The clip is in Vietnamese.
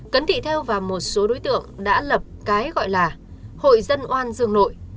cấn thị theo và một số đối tượng đã lập cái gọi là hội dân oan dương nội